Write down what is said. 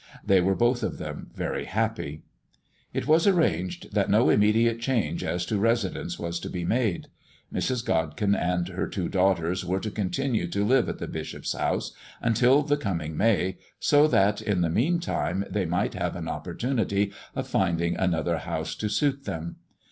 They were both of them very happy. It was arranged that no immediate change as to residence was to be made. Mrs. Godkin and her two daughters were to continue to live at the bishop's house until the coming May, so that, in the mean time, they might have an opportunity of finding another house to suit them.